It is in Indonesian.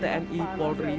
terhubung dengan tni polri